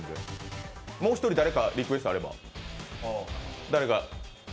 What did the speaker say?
もう１人誰かリクエストがあれば。